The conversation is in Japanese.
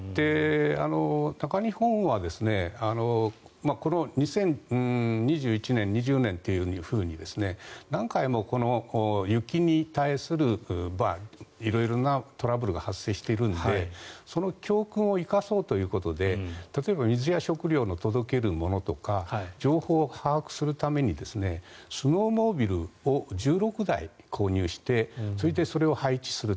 中日本はこの２０２１年、２０年というふうに何回も雪に対する色々なトラブルが発生しているのでその教訓を生かそうということで例えば水や食料の届けるものとか情報を把握するためにスノーモービルを１６台購入してそして、それを配置すると。